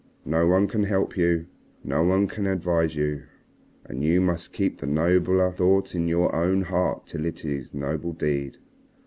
No one can help you. No one can advise you. And you must keep the nobler thought in your own heart till it is a noble deed.